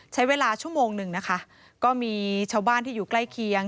ใช้เวลาชั่วโมงหนึ่งนะคะก็มีชาวบ้านที่อยู่ใกล้เคียง